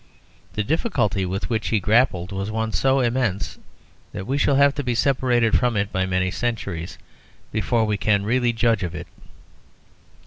The difficulty with which he grappled was one so immense that we shall have to be separated from it by many centuries before we can really judge of it.